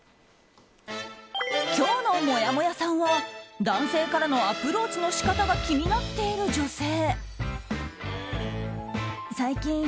今日のもやもやさんは男性からのアプローチの仕方が気になっている女性。